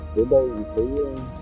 đến đây thì thấy